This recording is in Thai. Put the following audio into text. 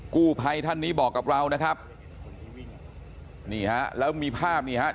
กู้ภัยท่านนี้บอกกับเรานะครับนี่ฮะแล้วมีภาพนี่ฮะ